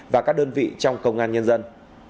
và các đơn vị trong công an nhân dân